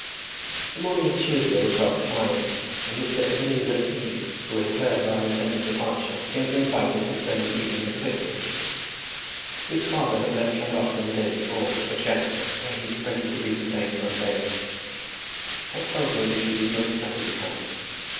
The morning of Tuesday was rather fine, and Mr. Ebenezer E—, who had heard of our intended departure, came to invite us to spend the evening at the vicarage. His father had left Llangollen the day before for Chester, where he expected to be detained some days. I told him we should be most happy to come.